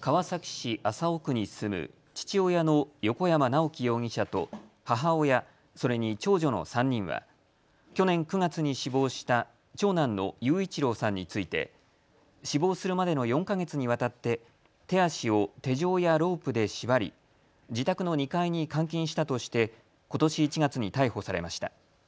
川崎市麻生区に住む父親の横山直樹容疑者と母親、それに長女の３人は去年９月に死亡した長男の雄一郎さんについて死亡するまでの４か月にわたって手足を手錠やロープで縛り自宅の２階に監禁したとしてことし１月に逮捕されました。